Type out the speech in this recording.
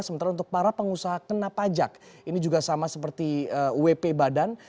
sementara untuk para pengusaha kena pajak ini juga sama seperti wp badan